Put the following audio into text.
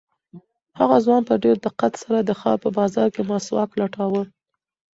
هغه ځوان په ډېر دقت سره د ښار په بازار کې مسواک لټاوه.